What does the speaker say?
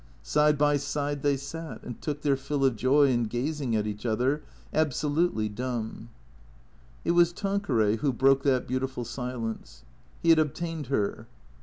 Side by side they sat and took their fill of joy in gazing at each other, absolutely dumb. It was Tanqueray who broke that beautiful silence. He had obtained her.